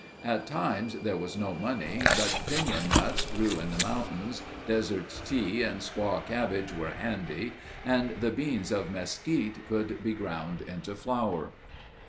At times there was no money, but piñon nuts grew in the mountains, desert tea and squaw cabbage were handy and the beans of mesquite could be ground into flour.